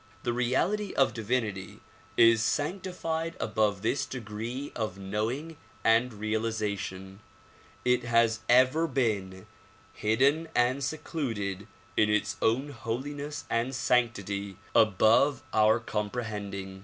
The reality of divinity is sanctified above this degree of knowing and realization. It has ever been hidden and secluded in its own holiness and sanctity above our compre 188 THE PROMULGATION OF UNIVERSAL PEACE hending.